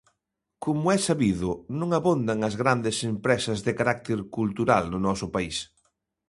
Como é sabido, non abondan as grandes empresas de carácter cultural no noso país.